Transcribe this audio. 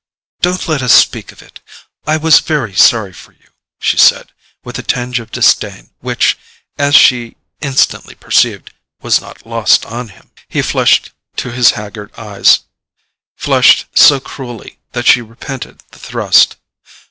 "Don't let us speak of it: I was very sorry for you," she said, with a tinge of disdain which, as she instantly perceived, was not lost on him. He flushed to his haggard eyes, flushed so cruelly that she repented the thrust.